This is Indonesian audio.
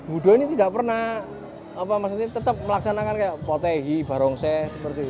gudo ini tidak pernah tetap melaksanakan kaya potehi barongse seperti itu